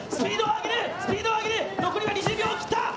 スピードをあげる、残りは２０秒を切った。